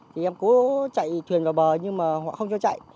thì em cố chạy thuyền vào bờ nhưng mà họ không cho chạy